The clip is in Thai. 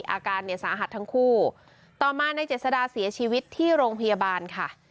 อาการเนี่ยสาหัสทั้งคู่ต่อมาในเจษดาเสียชีวิตที่โรงพยาบาลค่ะ